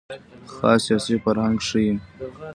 خاص سیاسي فرهنګ ښيي.